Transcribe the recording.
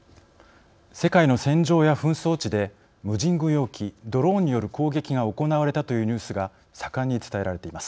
世界の戦場や紛争地で無人軍用機ドローンによる攻撃が行われたというニュースが盛んに伝えられています。